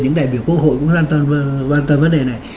những đại biểu quốc hội cũng quan tâm vấn đề này